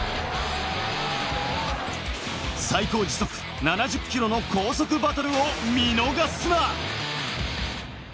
最高時速７０キロの高速バトルを見逃すな。